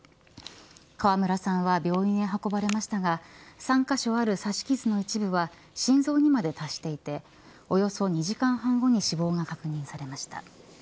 川村さんは病院へ運ばれましたが３カ所ある刺し傷の一部は心臓にまで達していておよそ２時間半後に死亡が確認されました。